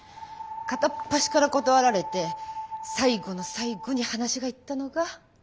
片っ端から断られて最後の最後に話がいったのが。